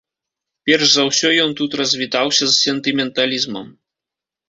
Перш за ўсё ён тут развітаўся з сентыменталізмам.